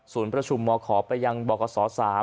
ศูนย์ประชุมมคประยังบศ๓